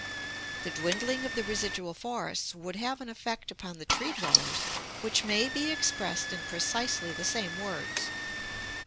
The dwindling of the residual forests would have an effect upon the tree dwellers which may be expressed in precisely the same words.